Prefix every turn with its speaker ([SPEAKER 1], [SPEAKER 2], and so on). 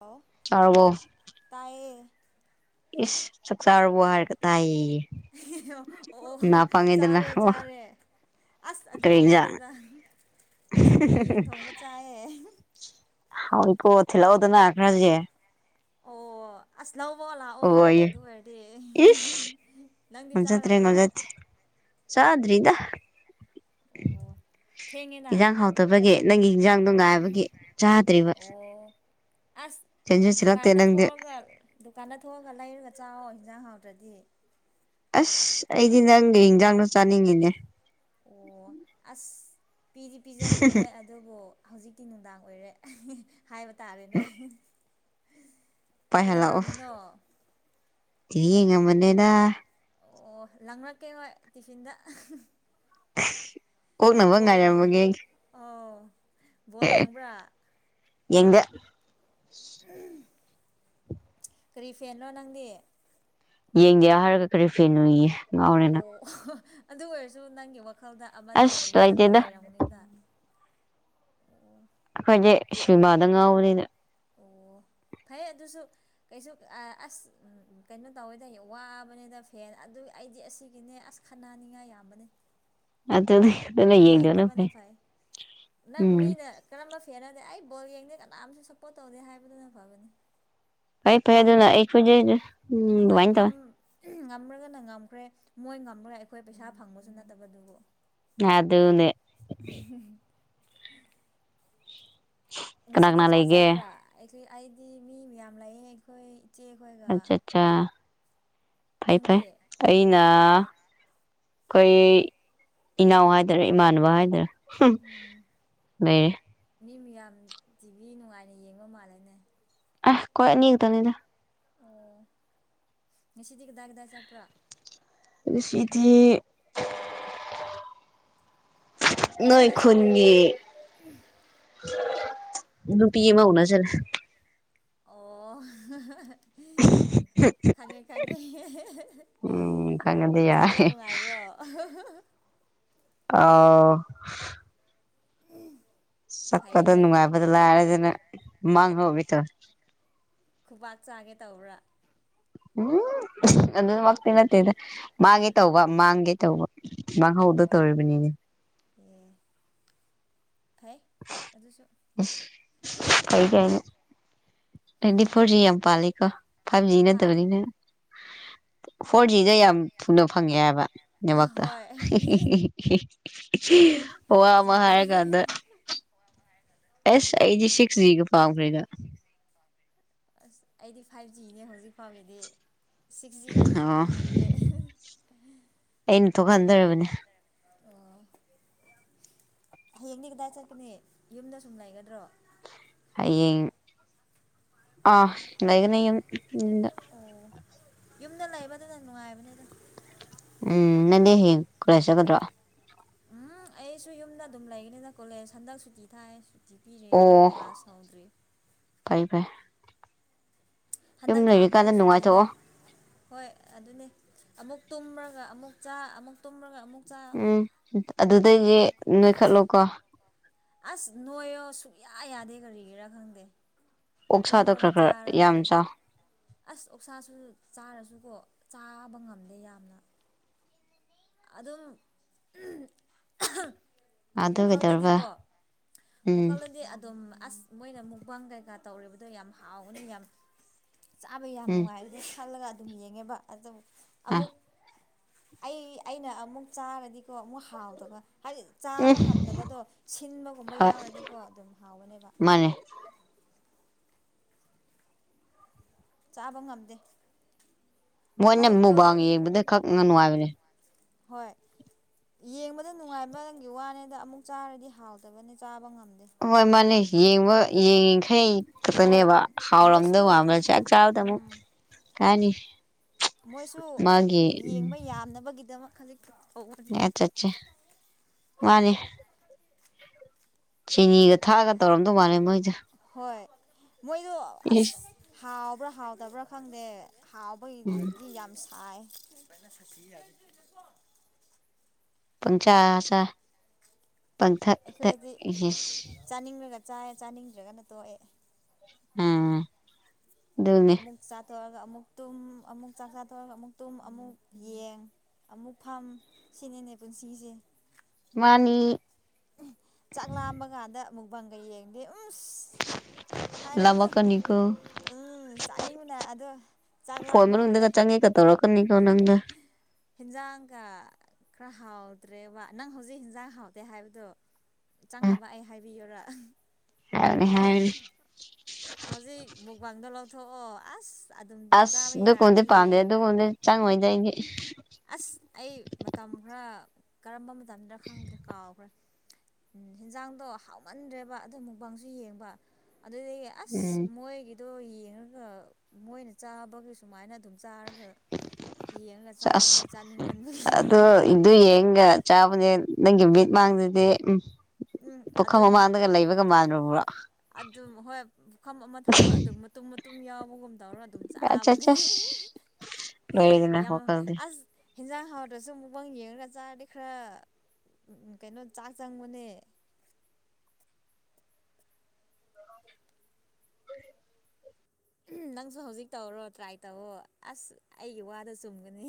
[SPEAKER 1] ꯑꯣ
[SPEAKER 2] ꯇꯥꯔꯕꯣ
[SPEAKER 1] ꯇꯥꯏꯌꯦ
[SPEAKER 2] ꯏꯁ ꯆꯥꯛ ꯆꯥꯔꯕꯣ ꯍꯥꯏꯔꯒ ꯇꯥꯏꯌꯦꯌꯦ
[SPEAKER 1] ꯑꯣ ꯑꯣ ꯆꯥꯔꯦ
[SPEAKER 2] ꯑꯣ
[SPEAKER 1] ꯆꯥꯔꯦ ꯑꯁ
[SPEAKER 2] ꯀꯔꯤ
[SPEAKER 1] ꯑꯗꯨꯒꯤ
[SPEAKER 2] ꯏꯟꯖꯥꯡ
[SPEAKER 1] ꯅꯠꯇꯦꯗ ꯉꯁꯤꯗꯤ ꯌꯦꯟ ꯊꯣꯡꯕ ꯆꯥꯏꯌꯦ
[SPEAKER 2] ꯍꯥꯎꯋꯤꯀꯣ ꯊꯜꯂꯛ ꯎꯗꯅ ꯈ꯭ꯔꯗꯤ
[SPEAKER 1] ꯑꯣ ꯑꯁ ꯂꯧꯕ ꯂꯥꯛꯑꯣ
[SPEAKER 2] ꯑꯣꯌꯦ
[SPEAKER 1] ꯑꯗꯨ ꯑꯣꯏꯔꯗꯤ
[SPEAKER 2] ꯏꯁ
[SPEAKER 1] ꯅꯪꯗꯤ
[SPEAKER 2] ꯉꯝꯖꯗ꯭ꯔꯦ
[SPEAKER 1] ꯆꯥꯔꯕ꯭ꯔꯣ
[SPEAKER 2] ꯉꯝꯖꯗꯦ ꯆꯥꯗ꯭ꯔꯤꯗ
[SPEAKER 1] ꯑꯣ ꯊꯦꯡꯉꯦꯅ
[SPEAKER 2] ꯍꯤꯟꯁꯥꯡ ꯍꯥꯎꯇꯕꯒꯤ ꯅꯪꯒꯤ ꯍꯤꯖꯥꯡꯗꯣ ꯉꯥꯏꯕꯒꯤ ꯆꯥꯗ꯭ꯔꯤꯕ
[SPEAKER 1] ꯑꯣ ꯑꯁ
[SPEAKER 2] ꯆꯦꯟꯁꯨ ꯆꯦꯜꯂꯛꯇꯦ
[SPEAKER 1] ꯗꯨꯀꯥꯟꯗ
[SPEAKER 2] ꯅꯪꯗꯤ
[SPEAKER 1] ꯊꯣꯛꯑꯒ ꯗꯨꯀꯥꯟꯗ ꯊꯣꯛꯑꯒ ꯂꯩꯔꯒ ꯆꯥꯑꯣ ꯍꯤꯟꯖꯥꯡ ꯍꯥꯎꯇ꯭ꯔꯗꯤ
[SPEAKER 2] ꯑꯁ ꯑꯩꯗꯤ ꯅꯪꯒꯤ ꯏꯟꯖꯥꯡꯗꯣ ꯆꯥꯅꯤꯡꯉꯤꯅꯦ
[SPEAKER 1] ꯑꯣ ꯑꯁ ꯄꯤꯗꯤ ꯄꯤꯖꯅꯤꯡꯉꯦ ꯑ ꯗꯨꯕꯨ ꯍꯧꯖꯤꯛꯇꯤ ꯅꯨꯡꯗꯥꯡ ꯑꯣꯏꯔꯦ ꯍꯥꯏꯕ ꯇꯥꯔꯦꯅꯦ
[SPEAKER 2] ꯄꯥꯏꯍꯜꯂꯥꯛꯑꯣ
[SPEAKER 1] ꯀꯩꯗꯧꯔꯝꯃꯤꯅꯣ
[SPEAKER 2] ꯇꯤꯚꯤ ꯌꯦꯡꯉꯝꯃꯅꯦꯗꯥꯥ
[SPEAKER 1] ꯑꯣ ꯂꯥꯡꯔꯛꯀꯦ ꯅꯣꯏ ꯇꯤꯐꯤꯟꯗ
[SPEAKER 2] ꯑꯣꯛꯅꯕ
[SPEAKER 1] ꯕꯣꯜ
[SPEAKER 2] ꯉꯥꯏꯔꯝꯕꯒꯤ
[SPEAKER 1] ꯑꯥ ꯕꯣꯜ ꯌꯦꯡꯕ꯭ꯔꯥ
[SPEAKER 2] ꯌꯦꯡꯗꯦ
[SPEAKER 1] ꯀꯔꯤ ꯐꯦꯟꯅꯣ ꯅꯪꯗꯤ
[SPEAKER 2] ꯌꯦꯡꯗꯦ ꯍꯥꯏꯔꯒ ꯀꯔꯤ ꯐꯦꯡꯅꯣꯌꯦ ꯉꯥꯎꯔꯦ ꯅꯪ
[SPEAKER 1] ꯑꯣ ꯑꯗꯨ ꯑꯣꯏꯔꯁꯨ ꯅꯪꯒꯤ ꯋꯥꯈꯜꯗ ꯑꯃꯗꯤ
[SPEAKER 2] ꯑꯁ
[SPEAKER 1] ꯑꯗꯨꯝ ꯈꯟꯕ
[SPEAKER 2] ꯂꯩꯇꯦꯗ
[SPEAKER 1] ꯂꯩꯔꯝꯒꯅꯤꯗꯥ
[SPEAKER 2] ꯑꯩꯈꯣꯏꯗꯤ ꯁꯤꯃꯥꯗ ꯉꯥꯎꯕꯅꯤꯅ
[SPEAKER 1] ꯑꯣ
[SPEAKER 2] [inaudible]
[SPEAKER 1] ꯐꯩ ꯑꯗꯨꯁꯨ ꯀꯩꯁꯨ ꯑꯥ ꯑꯁ ꯎꯝꯎꯝ ꯀꯩꯅꯣ ꯇꯧꯋꯤꯗ ꯋꯥꯕꯅꯤꯗ ꯐꯦꯟ ꯑꯗꯨ ꯑꯩꯗꯤ ꯑꯁꯤꯒꯤꯅꯦ ꯑꯁ ꯈꯠꯅꯥꯅꯤꯡꯉꯥꯏ ꯌꯥꯝꯕꯅꯤ
[SPEAKER 2] ꯑꯗꯨꯅꯤ
[SPEAKER 1] ꯌꯦꯡꯗꯕꯅ ꯐꯩ ꯅꯪ
[SPEAKER 2] ꯎꯝ
[SPEAKER 1] ꯃꯤꯅ ꯀꯔꯝꯕ ꯐꯦꯟꯅꯣꯗꯤ ꯑꯩ ꯕꯣꯜ ꯌꯦꯡꯗꯦ ꯀꯅꯥꯝꯁꯨ ꯁꯞꯄꯣꯔꯠ ꯇꯧꯗꯦ ꯍꯥꯏꯕꯗꯨꯅ ꯐꯕꯅꯤ
[SPEAKER 2] ꯐꯩ ꯐꯩ ꯑꯗꯨꯅ
[SPEAKER 1] ꯉꯝꯔꯕ
[SPEAKER 2] ꯑꯩꯈꯣꯏꯁꯦ ꯎꯝ
[SPEAKER 1] ꯍꯣꯏ
[SPEAKER 2] ꯑꯗꯨꯃꯥꯏꯅ
[SPEAKER 1] ꯉꯝ
[SPEAKER 2] ꯇꯧꯋꯦ
[SPEAKER 1] ꯉꯝꯔꯒꯅ ꯉꯝꯈ꯭ꯔꯦ ꯃꯣꯏ ꯉꯝꯃꯒ ꯑꯩꯈꯣꯏ ꯄꯩꯁꯥ ꯐꯪꯕꯁꯨ ꯅꯠꯇꯕꯗꯨꯕꯨ
[SPEAKER 2] ꯑꯗꯨꯅꯦ
[SPEAKER 1] [unintelligible]
[SPEAKER 2] ꯀꯅꯥ
[SPEAKER 1] ꯉꯁꯤꯗꯤ
[SPEAKER 2] ꯀꯅꯥ
[SPEAKER 1] ꯀꯥꯏ
[SPEAKER 2] ꯂꯩꯒꯦ
[SPEAKER 1] ꯆꯠꯄ꯭ꯔꯥ ꯑꯩꯈꯣꯏ ꯑꯩꯗꯤ ꯃꯤ ꯃꯌꯥꯝ ꯂꯩꯌꯦ ꯑꯩꯈꯣꯏ ꯏꯆꯦꯈꯣꯏꯒ
[SPEAKER 2] ꯆꯥ ꯐꯩ
[SPEAKER 1] ꯅꯪꯗꯤ
[SPEAKER 2] ꯐꯩ ꯑꯩꯅ ꯈꯣꯏ ꯏꯅꯥꯎ ꯍꯥꯏꯗꯣꯏꯔꯥ ꯏꯃꯥꯟꯅꯕ ꯍꯥꯏꯗꯣꯏꯔꯥ
[SPEAKER 1] ꯎꯝ
[SPEAKER 2] ꯂꯩꯔꯦ
[SPEAKER 1] ꯃꯤ ꯃꯌꯥꯝ ꯇꯤꯚꯤ ꯅꯨꯡꯉꯥꯏꯅ ꯌꯦꯡꯕ ꯃꯥꯜꯂꯦꯅꯦ
[SPEAKER 2] ꯑꯦꯍ ꯈꯣꯏꯅꯤ ꯑꯅꯤ ꯈꯛꯇꯅꯤꯗꯥ
[SPEAKER 1] ꯑꯣ ꯉꯁꯤꯗꯤ ꯀꯗꯥꯏ ꯀꯗꯥꯏ ꯆꯠꯄ꯭ꯔꯥ
[SPEAKER 2] ꯉꯁꯤꯗꯤ ꯅꯣꯏ
[SPEAKER 1] ꯌꯨꯝꯗ ꯁꯨꯝ
[SPEAKER 2] ꯈꯨꯟꯒꯤ
[SPEAKER 1] ꯂꯩꯕ꯭ꯔꯥ
[SPEAKER 2] ꯅꯨꯄꯤ ꯑꯃ ꯎꯅ ꯆꯠꯂꯦ
[SPEAKER 1] ꯑꯣ
[SPEAKER 2] [unintelligible]
[SPEAKER 1] ꯈꯪꯉꯦ ꯈꯪꯉꯦ
[SPEAKER 2] ꯎꯝ ꯈꯪꯉꯗꯤ
[SPEAKER 1] ꯆꯠꯄ
[SPEAKER 2] ꯌꯥꯔꯦ
[SPEAKER 1] ꯅꯨꯡꯉꯥꯏꯕ꯭ꯔꯣ
[SPEAKER 2] ꯑꯥꯎ
[SPEAKER 1] [unintelligible]
[SPEAKER 2] ꯆꯠꯄꯗꯣ
[SPEAKER 1] ꯐꯩꯌꯦꯅꯦ
[SPEAKER 2] ꯅꯨꯡꯉꯥꯏꯕꯗꯤ ꯂꯥꯏꯔꯗꯅ ꯃꯥꯡꯍꯧꯒꯦ ꯇꯧ
[SPEAKER 1] ꯈꯨꯕꯥꯛ ꯆꯥꯒꯦ ꯇꯧꯕ꯭ꯔꯥ
[SPEAKER 2] ꯎꯝ ꯑꯗꯨꯃꯛ ꯇꯤ ꯅꯠꯇꯦꯗ ꯃꯥꯡꯒꯦ ꯇꯧꯕ ꯃꯥꯡꯒꯦ ꯇꯧꯕ ꯃꯥꯡꯍꯧꯗꯣ
[SPEAKER 1] ꯑꯣ
[SPEAKER 2] ꯇꯧꯔꯤꯕꯅꯤꯅꯦ
[SPEAKER 1] ꯑꯦ ꯐꯩ ꯑꯗꯨꯁꯨ
[SPEAKER 2] ꯐꯩ ꯀꯥꯏꯅ ꯇ꯭ꯋꯦꯟꯇꯤ ꯐꯣꯔ ꯖꯤ ꯌꯥꯝ ꯄꯥꯜꯂꯤꯀꯣ ꯐꯥꯏꯚ ꯖꯤ
[SPEAKER 1] ꯍꯥ
[SPEAKER 2] ꯅꯠꯇꯕꯅꯤꯅ ꯐꯣꯔ ꯖꯤꯗ ꯌꯥꯝ ꯊꯨꯅ ꯐꯪꯉꯦ ꯍꯥꯏꯕ ꯅꯦꯠꯋꯥꯛꯇ
[SPEAKER 1] ꯍꯣꯏ ꯐꯥꯏꯚ
[SPEAKER 2] ꯋꯥ ꯑꯃ
[SPEAKER 1] ꯖꯤꯅꯦ
[SPEAKER 2] ꯍꯥꯏꯔꯀꯥꯟꯗ ꯑꯦꯁ ꯑꯩꯗꯤ ꯁꯤꯛꯁ ꯖꯤꯒ ꯄꯥꯝꯈ꯭ꯔꯦꯗ
[SPEAKER 1] ꯑꯁ ꯑꯩꯗꯤ ꯐꯥꯏꯐ ꯖꯤꯅꯦ ꯍꯧꯖꯤꯛ ꯐꯥꯎꯒꯤꯗꯤ ꯁꯤꯛꯁ ꯖꯤꯗꯤ
[SPEAKER 2] ꯑꯣ
[SPEAKER 1] ꯈꯪꯗ꯭ꯔꯤꯌꯦ
[SPEAKER 2] ꯑꯩꯅ ꯊꯣꯛꯍꯟꯗꯔꯕꯅꯦ
[SPEAKER 1] ꯑꯣ ꯍꯌꯦꯡꯗꯤ ꯀꯗꯥꯏ ꯆꯠꯀꯅꯤ ꯌꯨꯝꯗ ꯁꯨꯝ ꯂꯩꯒꯗ꯭ꯔꯣ
[SPEAKER 2] ꯍꯌꯦꯡ ꯑꯥ ꯂꯩꯒꯅꯤ ꯌꯨꯝ ꯌꯨꯝꯗ
[SPEAKER 1] ꯑꯣ ꯌꯨꯝꯗ ꯂꯩꯕꯗꯨꯅ ꯅꯨꯡꯉꯥꯏꯕꯅꯤꯗ
[SPEAKER 2] ꯎꯝ ꯅꯪꯗꯤ ꯍꯌꯦꯡ ꯀꫭꯂꯦꯖ ꯆꯠꯀꯗ꯭ꯔꯣ
[SPEAKER 1] ꯎꯝ ꯑꯩꯁꯨ ꯌꯨꯝꯗ ꯑꯗꯨꯝ ꯂꯩꯒꯅꯤꯅ ꯀꯣꯂꯦꯖ ꯍꯟꯗꯛ ꯁꯨꯇꯤ ꯊꯥꯏꯌꯦ ꯁꯨꯖꯤ ꯄꯤꯔꯤ ꯑꯩꯈꯣꯏ
[SPEAKER 2] ꯑꯣ
[SPEAKER 1] ꯀ꯭ꯂꯥꯁ ꯍꯧꯗ꯭ꯔꯤ
[SPEAKER 2] ꯐꯩ ꯐꯩ ꯌꯨꯝ
[SPEAKER 1] ꯍꯟꯗꯛ ꯊꯥ ꯐꯥꯎꯕ
[SPEAKER 2] ꯂꯩꯔꯤꯀꯥꯟꯗ
[SPEAKER 1] ꯁꯨꯇꯤꯅꯦ
[SPEAKER 2] ꯅꯨꯡꯉꯥꯏꯊꯣꯛꯑꯣ
[SPEAKER 1] ꯍꯣꯏ ꯑꯗꯨꯅꯦ ꯑꯃꯨꯛ ꯇꯨꯝꯃꯒ ꯑꯃꯨꯛ ꯆꯥ ꯑꯃꯨꯛ ꯇꯨꯝꯔꯒ ꯑꯃꯨꯛ ꯆꯥ
[SPEAKER 2] ꯎꯝ ꯑꯗꯨꯗꯩꯗꯤ ꯅꯣꯏꯈꯠꯂꯣ ꯀꯣ
[SPEAKER 1] ꯑꯁ ꯅꯣꯏꯌꯣ ꯁꯨꯛꯌꯥ ꯌꯥꯗꯦ ꯀꯔꯤꯒꯤꯔꯥ ꯈꯪꯗꯦ
[SPEAKER 2] ꯑꯣꯛꯁꯥꯗꯣ
[SPEAKER 1] ꯇꯨꯝꯔꯒ
[SPEAKER 2] ꯈꯔ ꯈꯔ
[SPEAKER 1] ꯆꯥꯔꯒ
[SPEAKER 2] ꯌꯥꯝ
[SPEAKER 1] ꯑꯗꯨꯝ
[SPEAKER 2] ꯆꯥꯎ
[SPEAKER 1] ꯑꯁ ꯑꯣꯛꯁꯥꯁꯨ ꯆꯥꯔꯁꯨꯀꯣ ꯆꯥꯕꯥ ꯉꯝꯗꯦ ꯌꯥꯝꯅ ꯑꯗꯨꯝ
[SPEAKER 2] ꯑꯗꯨ ꯀꯩꯗꯧꯔꯕ
[SPEAKER 1] ꯋꯥꯈꯜꯗꯗꯤꯀꯣ
[SPEAKER 2] ꯎꯝ
[SPEAKER 1] ꯋꯥꯈꯜꯗꯗꯤ ꯑꯗꯨꯝ ꯑꯁ ꯃꯣꯏꯅ ꯃꯨꯛꯕꯥꯡ ꯀꯩꯀꯥ ꯇꯧꯔꯤꯕꯗꯣ ꯌꯥꯝ ꯍꯥꯎꯒꯅꯤ ꯌꯥꯝ ꯆꯥꯕꯥ ꯌꯥꯝ
[SPEAKER 2] ꯎꯝ
[SPEAKER 1] ꯅꯨꯡꯉꯥꯏꯕꯅꯦ ꯈꯜꯂꯒ ꯑꯗꯨꯝ ꯌꯦꯡꯉꯦꯕ ꯑꯗꯨꯝ
[SPEAKER 2] ꯑ
[SPEAKER 1] ꯑꯃꯨꯛ ꯑꯩ ꯑꯩꯅ ꯑꯃꯨꯛ ꯆꯥꯔꯗꯤꯀꯣ ꯑꯃꯨꯛ ꯍꯥꯎꯇꯕꯥ ꯍꯥꯏꯗꯤ
[SPEAKER 2] ꯎꯝ
[SPEAKER 1] ꯆꯥꯕꯥ ꯉꯝꯗꯕꯗꯣ ꯁꯤꯟꯕꯒꯨꯝꯕ
[SPEAKER 2] ꯍꯣꯏ
[SPEAKER 1] ꯌꯥꯎꯔꯗꯤꯀꯣ ꯑꯗꯨꯝ ꯍꯥꯎꯕꯅꯦꯕ
[SPEAKER 2] ꯃꯥꯅꯦ
[SPEAKER 1] ꯆꯥꯕꯥ ꯉꯝꯗꯦ
[SPEAKER 2] ꯃꯣꯏꯅ
[SPEAKER 1] ꯃꯥꯏꯗꯣ
[SPEAKER 2] ꯃꯨꯕꯥꯡ ꯌꯦꯡꯕꯗ ꯈꯛ ꯅꯨꯡꯉꯥꯏꯕꯅꯦ
[SPEAKER 1] ꯍꯣꯏ ꯌꯦꯡꯕꯗ ꯅꯨꯡꯉꯥꯏꯕꯒꯤ ꯋꯥꯅꯤꯗ ꯑꯃꯨꯛ ꯆꯥꯔꯗꯤ ꯍꯥꯎꯇꯕꯅꯤ ꯆꯥꯕꯥ ꯉꯝꯗꯦ
[SPEAKER 2] ꯍꯣꯏ ꯃꯥꯅꯦ ꯌꯦꯡꯕ ꯌꯦꯡꯉꯤꯈꯩ
[SPEAKER 1] ꯍꯣꯏ
[SPEAKER 2] ꯈꯛꯇꯅꯦꯕ ꯍꯥꯎꯔꯝꯗꯧ
[SPEAKER 1] ꯃꯣꯏꯁꯨ
[SPEAKER 2] ꯃꯥꯟꯕ ꯆꯥꯛ ꯆꯥꯕꯗ ꯑꯃꯨꯛ
[SPEAKER 1] ꯎꯝ
[SPEAKER 2] ꯀꯩ ꯍꯥꯏꯅꯤ
[SPEAKER 1] ꯃꯣꯏꯁꯨ ꯌꯦꯡꯕ ꯌꯥꯝꯅꯕꯒꯤꯗꯃꯛ ꯈꯖꯤꯛ ꯇꯧꯕꯅꯤꯗ
[SPEAKER 2] ꯑꯠꯆꯥ ꯑꯠꯆꯥ ꯃꯥꯅꯦ ꯆꯤꯅꯤꯒ ꯊꯥꯛꯑꯒ ꯇꯧꯔꯝꯗꯧ ꯃꯥꯜꯂꯦ ꯃꯣꯏꯁꯦ
[SPEAKER 1] ꯍꯣꯏ ꯃꯣꯏꯗꯣ ꯑꯁ ꯍꯥꯎꯕ꯭ꯔꯥ ꯍꯥꯎꯇꯕ꯭ꯔꯥ ꯈꯪꯗꯦ ꯍꯥꯎꯕ
[SPEAKER 2] ꯎꯝ
[SPEAKER 1] ꯃꯣꯏꯒꯤꯗꯤ ꯌꯥꯝ ꯁꯥꯏꯌꯦ
[SPEAKER 2] ꯄꯪꯆꯥ ꯆꯥ ꯄꯪꯊꯛ ꯊꯛ
[SPEAKER 1] ꯑꯩꯈꯣꯏꯗꯤ
[SPEAKER 2] ꯏꯁ
[SPEAKER 1] ꯆꯥꯅꯤꯡꯂꯒ ꯆꯥꯏ ꯆꯥꯅꯤꯡꯗ꯭ꯔꯒꯅ ꯇꯣꯛꯑꯦ
[SPEAKER 2] ꯎꯝ ꯑꯗꯨꯅꯦ
[SPEAKER 1] ꯑꯃꯨꯛ ꯆꯥꯊꯣꯛꯑꯒ ꯑꯃꯨꯛ ꯇꯨꯝ ꯑꯃꯨꯛ ꯆꯥꯛ ꯆꯥꯊꯣꯛꯑꯒ ꯑꯃꯨꯛ ꯇꯨꯝ ꯑꯃꯨꯛ ꯌꯦꯡ ꯑꯃꯨꯛ ꯐꯝ ꯁꯤꯅꯤꯅꯦ ꯄꯨꯟꯁꯤꯁꯦ
[SPEAKER 2] ꯃꯥꯅꯤ
[SPEAKER 1] ꯆꯥꯛꯂꯥꯝꯕ ꯀꯥꯟꯗ ꯃꯨꯛꯕꯥꯡꯒ ꯌꯦꯡꯉꯥꯗꯤ ꯎꯝꯁ ꯍꯥꯏꯔꯒ
[SPEAKER 2] ꯂꯥꯝꯃꯛꯀꯅꯤꯀꯣ
[SPEAKER 1] ꯎꯝ ꯆꯥꯅꯤꯡꯕꯅ ꯑꯗꯣ ꯆꯥꯛ
[SPEAKER 2] ꯐꯣꯟ
[SPEAKER 1] ꯂꯥꯝꯕꯥ ꯀꯥꯟꯗ
[SPEAKER 2] ꯃꯅꯨꯡꯗꯒ ꯆꯪꯉꯦꯒ ꯇꯧꯔꯛꯀꯅꯤꯀꯣ ꯅꯪꯗ
[SPEAKER 1] ꯍꯦꯟꯁꯥꯡꯒ ꯈ꯭ꯔ ꯍꯥꯎꯇ꯭ꯔꯦꯕ ꯅꯪ ꯍꯧꯖꯤꯛ ꯍꯦꯟꯖꯥꯡ ꯍꯥꯎꯇꯦ ꯍꯥꯏꯕꯗꯣ
[SPEAKER 2] ꯎꯝ
[SPEAKER 1] ꯆꯪꯅꯕ ꯑꯩ ꯍꯥꯏꯕꯤꯌꯨꯔꯥ
[SPEAKER 2] ꯍꯥꯏꯕꯅꯤ ꯍꯥꯏꯕꯅꯤ
[SPEAKER 1] ꯍꯧꯖꯤꯛ ꯃꯨꯛꯕꯥꯡꯗꯣ ꯂꯧꯊꯣꯛꯑꯣ ꯑꯁ ꯑꯗꯨꯝ ꯆꯥꯕ
[SPEAKER 2] ꯑꯁ ꯑꯗꯨꯒꯨꯝꯕꯗꯤ
[SPEAKER 1] ꯌꯥꯔꯅꯤ
[SPEAKER 2] ꯄꯥꯝꯗꯦ
[SPEAKER 1] ꯌꯦꯡꯉꯒ
[SPEAKER 2] ꯑꯗꯨꯒꯨꯝꯕꯗꯤ ꯆꯪꯉꯣꯏꯗ ꯑꯩꯒꯤ
[SPEAKER 1] ꯑꯁ ꯑꯩ ꯃꯇꯝ ꯈꯔ ꯀꯔꯝꯕ ꯃꯇꯝꯗ ꯈꯪꯗ꯭ꯔꯦ ꯀꯥꯎꯈ꯭ꯔꯦ ꯍꯤꯟꯖꯥꯡꯗꯣ ꯍꯥꯎꯃꯟꯗ꯭ꯔꯦꯕ ꯑꯗꯨ ꯃꯨꯛꯕꯥꯡꯁꯨ ꯌꯦꯡꯕ ꯑꯗꯨꯗꯒꯤ ꯑꯁ
[SPEAKER 2] ꯎꯝ
[SPEAKER 1] ꯃꯣꯏꯒꯤ ꯑꯗꯣ ꯌꯦꯡꯉꯒ ꯃꯣꯏꯅ ꯆꯥꯕꯒꯤ ꯁꯨꯃꯥꯏꯅ ꯑꯗꯨꯝ ꯆꯥꯔꯒ ꯌꯦꯡꯉ ꯆꯥꯕꯅꯦ ꯆꯤꯡ ꯃꯗꯔ
[SPEAKER 2] ꯗꯨ ꯌꯦꯡꯒ ꯆꯥꯕꯅꯦ ꯅꯪꯒꯤ ꯃꯤꯕꯤꯠ ꯃꯥꯡꯗꯗꯤ ꯎꯝ
[SPEAKER 1] ꯎꯝ
[SPEAKER 2] ꯄꯨꯈꯝ
[SPEAKER 1] ꯑꯗꯨꯝ
[SPEAKER 2] ꯃꯃꯥꯡꯗꯒ ꯂꯩꯕꯒ ꯃꯥꯟꯂꯨꯕ꯭ꯔꯣ
[SPEAKER 1] ꯑꯗꯨꯝ ꯍꯣꯏ ꯄꯨꯐꯝ ꯑꯃ ꯊꯝꯃꯒ ꯑꯗꯨꯝ ꯃꯇꯨꯝ ꯃꯇꯨꯝ ꯌꯥꯎꯕꯒꯨꯝ ꯇꯧꯔꯒ ꯑꯗꯨꯝ
[SPEAKER 2] ꯆꯠ
[SPEAKER 1] ꯆꯥꯕꯅꯤ
[SPEAKER 2] ꯆꯠ ꯂꯣꯏꯔꯦꯗꯅ
[SPEAKER 1] [unintelligible] ꯌꯥꯝ
[SPEAKER 2] ꯋꯥꯈꯜꯗꯤ
[SPEAKER 1] ꯑꯁ ꯍꯦꯟꯖꯥꯡ ꯍꯥꯎꯗꯁꯨ ꯃꯨꯛꯕꯥꯡ ꯌꯦꯡꯉꯒ ꯆꯥꯔꯗꯤ ꯈꯔ ꯀꯩꯅꯣ ꯆꯥꯛ ꯆꯪꯕꯅꯦ ꯅꯪꯁꯨ ꯍꯧꯖꯤꯛ ꯇꯧꯔꯣ ꯇ꯭ꯔꯥꯏ ꯇꯧꯔꯣ ꯑꯁ ꯑꯩꯒꯤ ꯋꯥꯗ ꯆꯨꯝꯒꯅꯤ